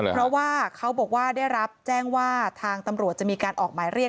เพราะว่าเขาบอกว่าได้รับแจ้งว่าทางตำรวจจะมีการออกหมายเรียก